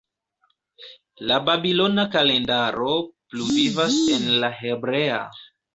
La babilona kalendaro pluvivas en la hebrea.